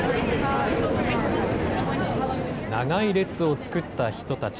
長い列を作った人たち。